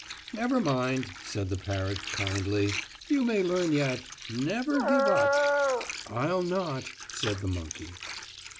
"Never mind," said the parrot, kindly; "you may learn yet. Never give up!" "I'll not," said the monkey.